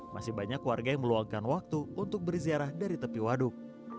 masih banyak warga yang meluangkan waktu untuk berziarah dari tepi waduk